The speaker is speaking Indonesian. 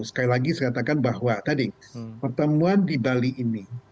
sekali lagi saya katakan bahwa tadi pertemuan di bali ini